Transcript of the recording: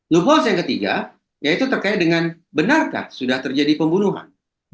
lo bos yang ketiga yaitu terkait dengan benarkah sudah terjadi pembunuhan